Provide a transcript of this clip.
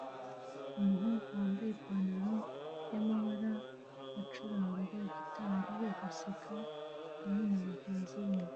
Umuhungu wambaye ipantaro y'amabara acuranga gitari agaseka hamwe nabagenzi be